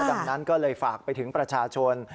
ดังนั้นก็เลยฝากไปถึงประชาชน